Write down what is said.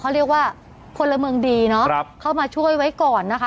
เขาเรียกว่าพลเมืองดีเนาะเข้ามาช่วยไว้ก่อนนะคะ